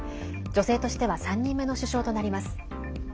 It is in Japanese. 女性としては３人目の首相となります。